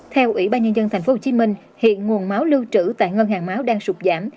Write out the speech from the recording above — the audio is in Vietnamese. theo ủy ban nhân dân tp hcm hiện nguồn máu lưu trữ tại ngân hàng máu đang sụp giảm